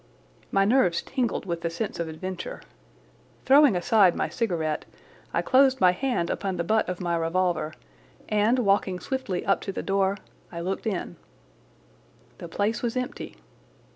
My nerves tingled with the sense of adventure. Throwing aside my cigarette, I closed my hand upon the butt of my revolver and, walking swiftly up to the door, I looked in. The place was empty.